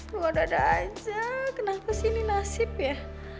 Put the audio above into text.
luar dada aja kenapa sih ini nasib ya